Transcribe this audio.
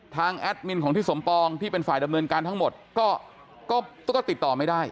แอดมินของทิศสมปองที่เป็นฝ่ายดำเนินการทั้งหมดก็ติดต่อไม่ได้